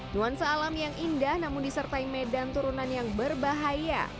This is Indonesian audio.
nuansa alam yang indah namun disertai medan turunan yang berbahaya